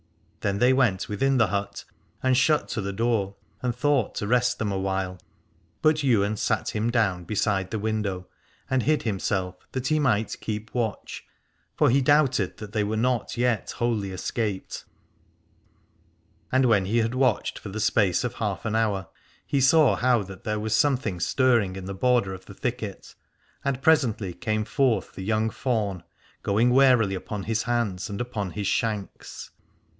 Then they went within the hut and shut to the door and thought to rest them awhile. But Ywain sat him down beside the window and hid himself, that he might keep watch, for he doubted that they were not yet wholly escaped. 212 Alad ore And when he had watched for the space of half an hour he saw how that there was some thing stirring in the border of the thicket : and presently came forth the young faun, going warily upon his hands and upon his shanks.